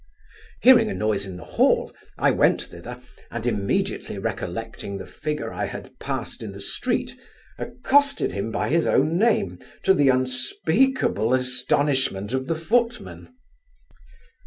Hearing a noise in the hall, I went thither, and immediately recollecting the figure I had passed in the street, accosted him by his own name, to the unspeakable astonishment of the footman.